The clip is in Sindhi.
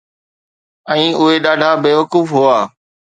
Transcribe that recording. ۽ اهي ڏاڍا بيوقوف هئا